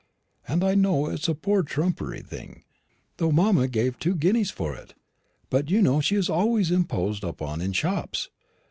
And I know it's a poor trumpery thing, though mamma gave two guineas for it; but you know she is always imposed upon in shops.